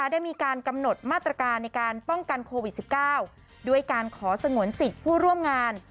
ได้มีการกำหนดมาตรการในการป้องกันโควิด๑๙ด้วยการขอสงวนสิทธิ์ผู้ร่วมงาน